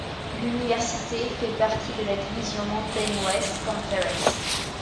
L'université fait partie de la division Mountain West Conference.